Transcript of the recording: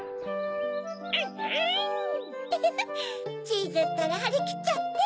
チーズったらはりきっちゃって！